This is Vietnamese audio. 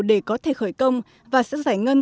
để có thể khởi công và sẽ giải ngân